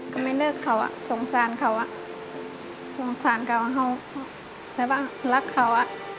ก็ไม่เลิกเขาอะจงสารเขาอะจงสารเขารักเขาอะ